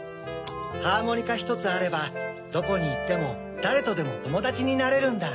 ハーモニカひとつあればどこにいってもだれとでもともだちになれるんだ。